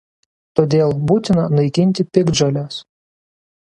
Todėl būtina naikinti piktžoles.